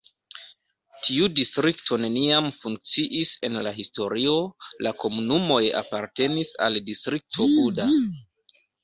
Tiu distrikto neniam funkciis en la historio, la komunumoj apartenis al Distrikto Buda.